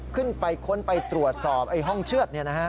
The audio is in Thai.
ขึ้นไปข้นไปตรวจสอบห้องเชือดเนี่ยนะฮะ